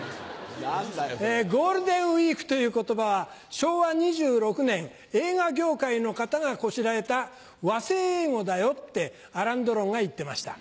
ゴールデンウイークという言葉は昭和２６年映画業界の方がこしらえた和製英語だよってアラン・ドロンが言ってました。